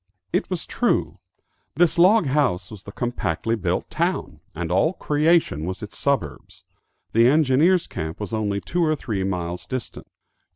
It was true. This log house was the compactly built town, and all creation was its suburbs. The engineers' camp was only two or three miles distant.